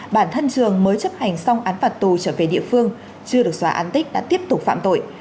bản thân trường mới chấp hành xong án phạt tù trở về địa phương chưa được xóa án tích đã tiếp tục phạm tội